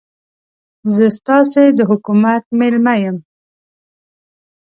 زه ستاسې د حکومت مېلمه یم.